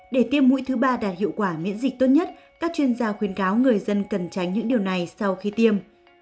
để tiêm mũi thứ ba đạt hiệu quả miễn dịch tốt nhất các chuyên gia khuyến cáo người dân cần tránh những điều này sau khi tiêm